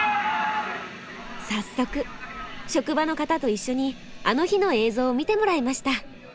早速職場の方と一緒に「あの日」の映像を見てもらいました。